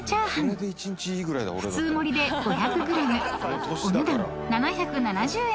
［普通盛りで５００ｇお値段７７０円］